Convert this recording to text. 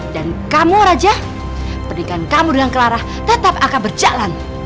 dan kamu raja pernikahan kamu dengan clara tetap akan berjalan